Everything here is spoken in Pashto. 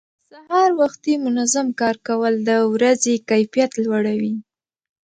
سهار وختي منظم کار کول د ورځې کیفیت لوړوي